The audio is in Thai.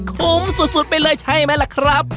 คุ้มสุดไปเลยใช่ไหมล่ะครับ